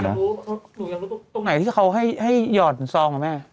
หนูยังรู้ตรงไหนที่เขาให้หยอดซองล่ะแม่